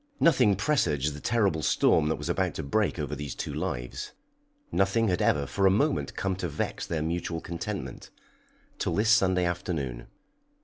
Nothing presaged the terrible storm that was about to break over these two lives. Nothing had ever for a moment come to vex their mutual contentment, till this Sunday afternoon.